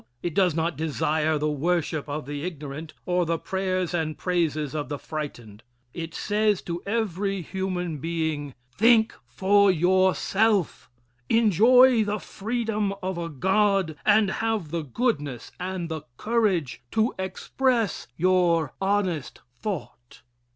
It does not desire the worship of the ignorant or the prayers and praises of the frightened. It says to every human being, "Think for yourself. Enjoy the freedom of a god, and have the goodness and the courage to express your honest thought."